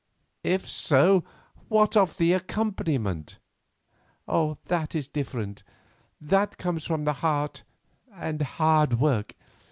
"If so, what of the accompaniment?" "That is different; that comes from the heart and hard work.